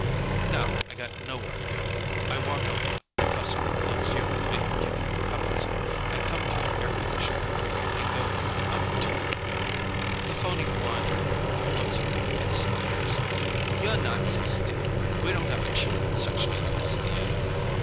Now I got nowhere to go. I walk along, cussing and fuming and kicking pebbles. I come to an air conditioned movie and go up to the window. The phony blonde in the booth looks at me and sneers, "You're not sixteen. We don't have a children's section in this theater."